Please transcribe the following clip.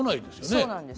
そうなんです。